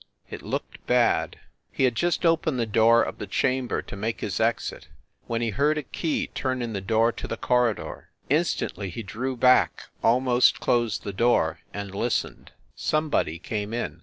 It looked bad. ... He had just opened the door of the chamber to make his exit, when he heard a key turn in the door to the corridor. Instantly he drew back, almost closed the door, and listened. Somebody came in.